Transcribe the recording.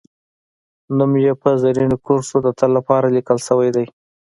نوم یې په زرینو کرښو د تل لپاره لیکل شوی دی